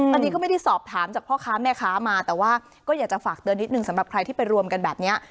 อันนี้ก็ไม่ได้สอบถามจากพ่อค้าแม่ค้ามาแต่ว่าก็อยากจะฝากเตือนนิดนึงสำหรับใครที่ไปรวมกันแบบนี้